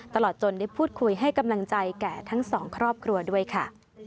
ตลอดจนได้พูดคุยให้กำลังใจแก่ทั้งสองครอบครัวด้วยค่ะ